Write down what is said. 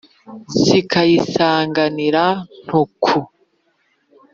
Zikayisanganira Ntuku*.